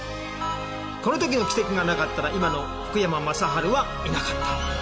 この時の奇跡がなかったら今の福山雅治はいなかった。